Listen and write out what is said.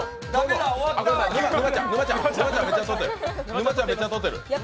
沼ちゃん、めっちゃ取ってる！